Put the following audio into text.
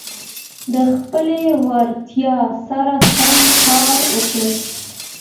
د خپلي وړتیا سره سم کار وکړئ.